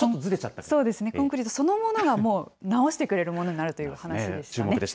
そうですね、コンクリートそのものがもう直してくれるようになるという話でし